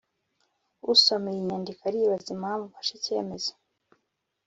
Usoma iyi nyandiko aribaza impamvu mfashe icyemezo